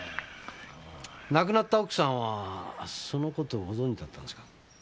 亡くなった奥さんはその事をご存じだったんですか？